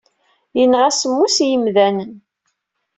Yenɣa semmus n yemdanen.